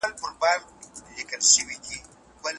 هغه وویل چې کتاب ملګری دی.